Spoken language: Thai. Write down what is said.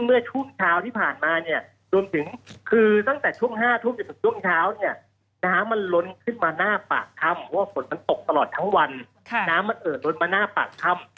เพราะว่าฝนมันตกตลอดทั้งวันน้ำมันเอ่อล้นมาหน้าปากถ้ำ